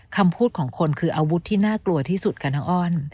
คำพูดของคนคืออาวุธที่น่ากลัวที่สุดค่ะน้องอ้อน